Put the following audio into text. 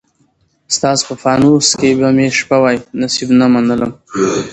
ستا په پانوس کي به مي شپه وای، نصیب نه منلم